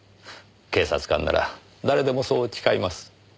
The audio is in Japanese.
警察官なら誰でもそう誓います。